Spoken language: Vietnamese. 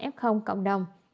một trăm linh năm f cộng đồng